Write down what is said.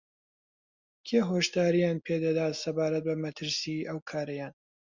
کێ هۆشدارییان پێدەدات سەبارەت بە مەترسیی ئەو کارەیان